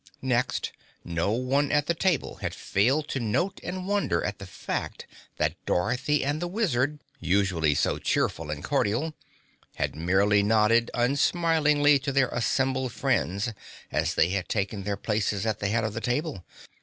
Next, no one at the table had failed to note and wonder at the fact that Dorothy and the Wizard usually so cheerful and cordial had merely nodded unsmilingly to their assembled friends as they had taken their places at the head of the table.